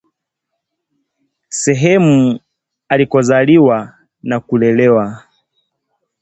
sehemu alikozaliwa na kulelewa